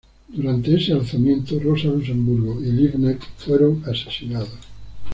Durante ese alzamiento, Rosa Luxemburgo y Liebknecht fueron asesinados.